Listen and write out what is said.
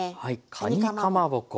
かにかまぼこ。